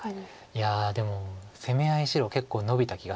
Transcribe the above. いやでも攻め合い白結構のびた気がするので。